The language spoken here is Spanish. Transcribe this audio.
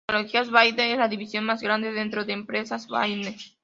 Tecnologías Wayne es la división más grande dentro de Empresas Wayne.